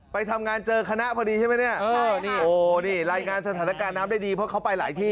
ไปทำงานเจอคณะพอดีใช่ไหมเนี่ยโอ้นี่รายงานสถานการณ์น้ำได้ดีเพราะเขาไปหลายที่